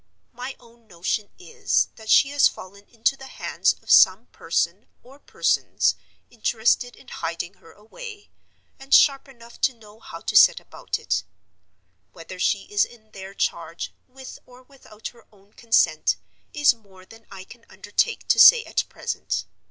My own notion is, that she has fallen into the hands of some person or persons interested in hiding her away, and sharp enough to know how to set about it. Whether she is in their charge, with or without her own consent, is more than I can undertake to say at present.